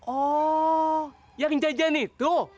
oh yang jajan itu